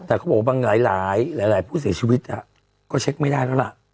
แต่เขาบอกว่าบางหลายผู้เสียชีวิตก็เช็คไม่ได้แล้วล่ะ